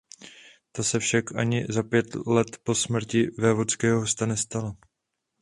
To se však ani za pět let po smrti vévodského hosta nestalo.